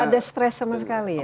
gak ada stress sama sekali ya